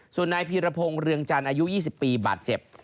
ส่วนนายพีรพงศ์เรืองจันทร์อายุ๒๐ปีบาดเจ็บ